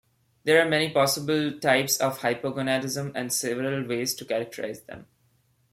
There are many possible types of hypogonadism and several ways to categorize them.